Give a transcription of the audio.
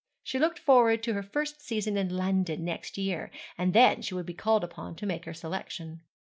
She looked forward to her first season in London next year, and then she would be called upon to make her selection.